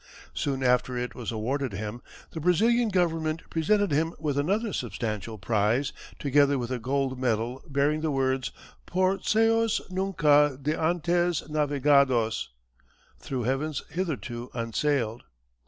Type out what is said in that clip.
Soon after it was awarded him the Brazilian Government presented him with another substantial prize, together with a gold medal bearing the words: Por ceos nunca d'antes navegados ("Through heavens hitherto unsailed").